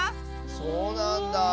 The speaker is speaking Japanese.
そうなんだあ。